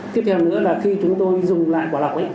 tiếp theo nữa là khi chúng tôi dùng lại quả lọc ấy